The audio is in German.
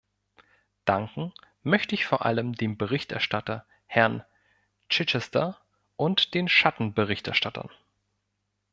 Danken möchte ich vor allem dem Berichterstatter, Herrn Chichester, und den Schattenberichterstattern.